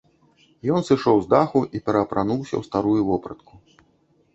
Ён сышоў з даху і пераапрануўся ў старую вопратку.